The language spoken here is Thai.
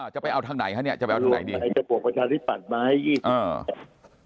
จะไปเอาทางไหนคะเนี่ยจะไปเอาทางไหนดีจะบวกประชาธิปัตย์มาให้ยี่สิบเหรียญ